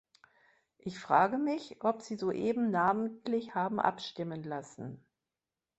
Ich frage mich, ob Sie soeben namentlich haben abstimmen lassen.